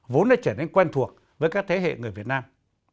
vốn đã trở nên quen thuộc với các thế hệ người việt nam